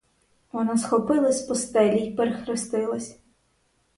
Вона схопилась з постелі й перехрестилась.